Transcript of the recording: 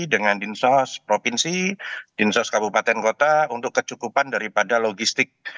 dengan dinsos provinsi dinsos kabupaten kota untuk kecukupan daripada logistik